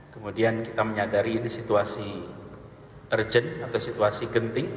kemudian kita menyadari ini situasi urgent atau situasi genting